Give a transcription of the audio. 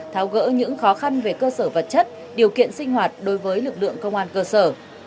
tháo gỡ những khó khăn về cơ sở vật chất điều kiện sinh hoạt đối với lực lượng công an cơ sở